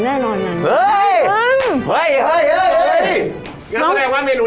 อย่างนั้นที่แรกที่ถือว่าเมนู